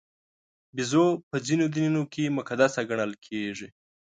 بیزو په ځینو دینونو کې مقدس ګڼل کېږي.